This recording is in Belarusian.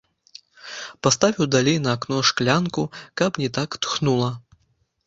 Паставіў далей на акно шклянку, каб не так тхнула.